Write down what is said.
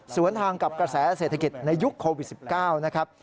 ทางกับกระแสเศรษฐกิจในยุคโควิด๑๙นะครับ